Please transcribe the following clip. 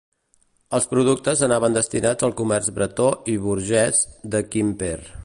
Els productes anaven destinats al comerç bretó i burgés de Quimper.